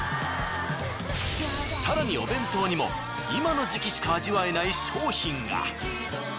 更にお弁当にも今の時期しか味わえない商品が。